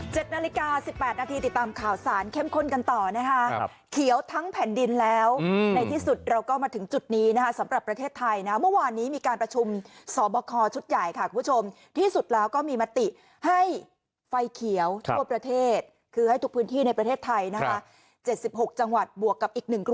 นาฬิกาสิบแปดนาทีติดตามข่าวสารเข้มข้นกันต่อนะคะครับเขียวทั้งแผ่นดินแล้วในที่สุดเราก็มาถึงจุดนี้นะคะสำหรับประเทศไทยนะเมื่อวานนี้มีการประชุมสอบคอชุดใหญ่ค่ะคุณผู้ชมที่สุดแล้วก็มีมติให้ไฟเขียวทั่วประเทศคือให้ทุกพื้นที่ในประเทศไทยนะคะเจ็ดสิบหกจังหวัดบวกกับอีกหนึ่งกรุ